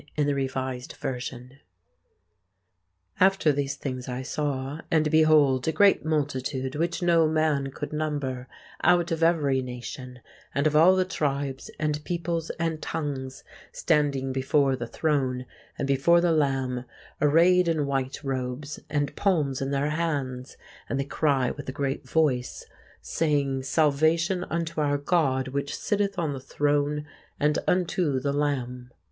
in the Revised Version: After these things I saw, and behold, a great multitude, which no man could number, out of every nation, and of all tribes and peoples and tongues, standing before the throne and before the Lamb, arrayed in white robes, and palms in their hands; and they cry with a great voice, saying, Salvation unto our God which sitteth on the throne, and unto the Lamb....